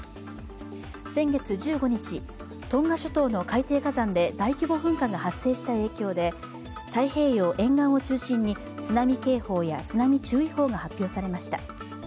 先月１５日、トンガ諸島の海底火山で大規模噴火が発生した影響で太平洋沿岸を中心に津波警報や津波注意報が発表されました。